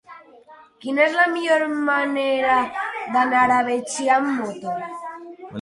Quina és la millor manera d'anar a Betxí amb moto?